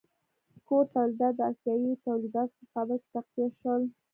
کور تولیدات د اسیايي تولیداتو په مقابل کې تقویه شول.